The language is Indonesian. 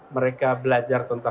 mereka belajar tentang jalan